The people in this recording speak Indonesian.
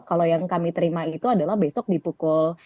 kalau yang kami terima itu adalah besok dipukul